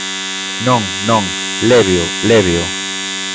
Non, non, léveo, léveo.